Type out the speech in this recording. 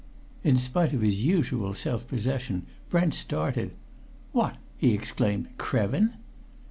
In spite of his usual self possession, Brent started. "What!" he exclaimed. "Krevin!"